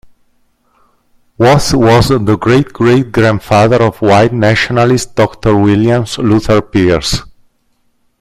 Watts was the great-great-grandfather of white nationalist Doctor William Luther Pierce.